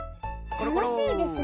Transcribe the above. たのしいですね。